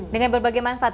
dengan berbagai manfaat